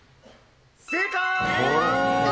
正解！